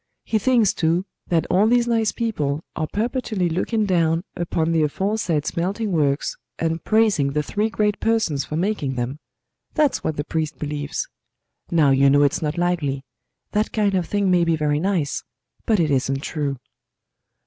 He thinks, too, that all these nice people are perpetually looking down upon the aforesaid smelting works, and praising the Three Great Persons for making them. That's what the priest believes. Now you know it's not likely; that kind of thing may be very nice, but it isn't true."